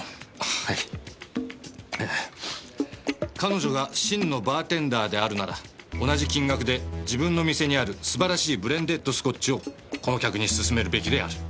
「彼女が真のバーテンダーであるなら同じ金額で自分の店にある素晴らしいブレンデッドスコッチをこの客に勧めるべきである。